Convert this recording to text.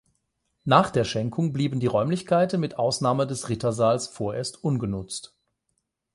Nach der Schenkung blieben die Räumlichkeiten mit Ausnahme des Rittersaals vorerst ungenutzt.